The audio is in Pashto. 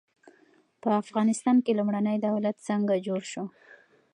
په افغانستان کې لومړنی دولت څنګه جوړ سو؟